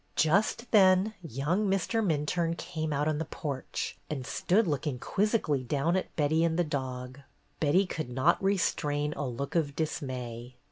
Just then young Mr. Minturne came out on the porch and stood looking quizzically down at Betty and the dog. Betty could not restrain a look of dismay.